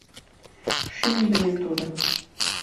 Шӱмдымӧ тудо!